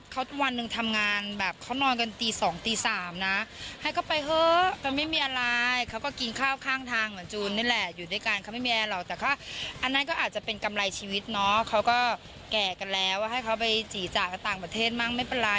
จูนตอบดีไม่ใช่แล้วคุณผู้ชมแจงจี๋ยังบ้านมีตา